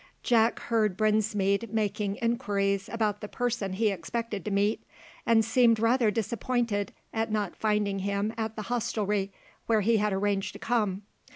Jack heard Brinsmead making inquiries about the person he expected to meet, and seemed rather disappointed at not finding him at the hostelry where he had arranged to come.